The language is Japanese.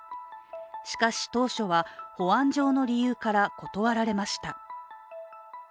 しかし当初は、保安上の理由から断られました。